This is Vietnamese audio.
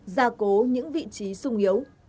gia cố những vị trí sung yếu